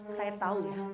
saya tau ya